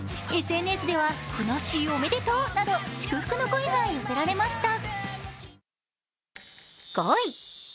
ＳＮＳではふなっしーおめでとうなど、祝福の声が寄せられました。